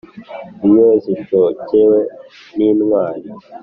iyo zishokewe n'intwari